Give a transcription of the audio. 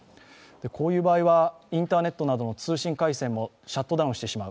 こういう場合はインターネットなどの通信回線もシャットダウンしてしまう。